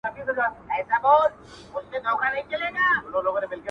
• ژوند به نه غواړي مرگی به یې خوښېږي,